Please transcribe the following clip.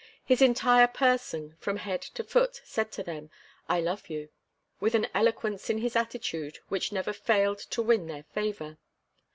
His entire person, from head to foot, said to them, "I love you" with an eloquence in his attitude which never failed to win their favor.